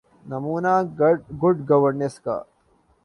نمونہ good governance کا۔